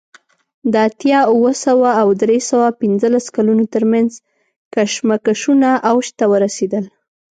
د اتیا اوه سوه او درې سوه پنځلس کلونو ترمنځ کشمکشونه اوج ته ورسېدل